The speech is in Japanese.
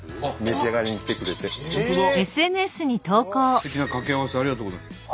「素敵な掛け合わせをありがとうございます」。